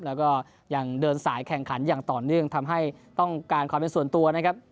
แล้วก็ยังเดินสายแข่งขันอย่างต่อเนื่องทำให้ต้องการความเป็นส่วนตัวนะครับ